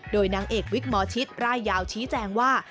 โดยนางเอกวิกหมอชิตร่ายยาวชี้แจงว่า